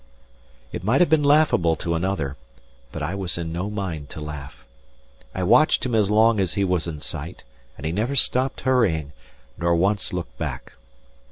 It might have been laughable to another; but I was in no mind to laugh. I watched him as long as he was in sight; and he never stopped hurrying, nor once looked back.